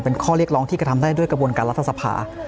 เป็นข้อเรียกร้องที่กระทำได้ด้วยกระบวนการรัฐสภา